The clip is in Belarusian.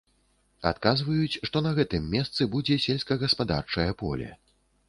Адказваюць, што на гэтым месцы будзе сельскагаспадарчае поле.